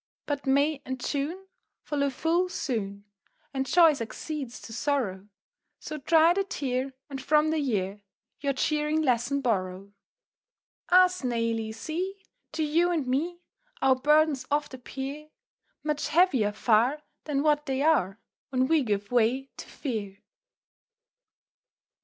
_"] But May and June Follow full soon, And joy succeeds to sorrow; So dry the tear, And from the year Your cheering lesson borrow. [Illustration: "Ah, Snailey! see."] Ah, Snailey! see To you and me Our burdens oft appear Much heavier far Than what they are, When we give way to fear.